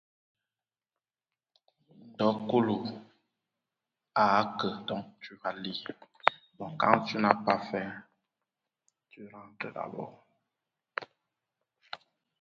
Ndo Kulu a akǝ təbǝ a zaŋ nsəŋ, nye naa: Ekye A Batsidi, a Mvog tad, yə mvende Ya zen ya a Bekon e no mǝkya məbɛ?